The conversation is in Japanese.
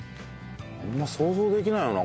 あんま想像できないよな